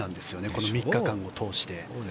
この３日間を通して。